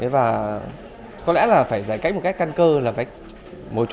và có lẽ là phải giải cách một cách căn cơ một chút ở đây là vấn đề kiểm soát hóa chất